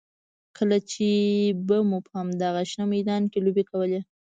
کله چې به مو په همدغه شنه میدان کې لوبې کولې.